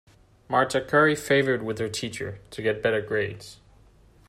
Marta curry favored with her teacher to get better grades.